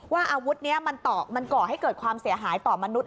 อาวุธนี้มันก่อให้เกิดความเสียหายต่อมนุษย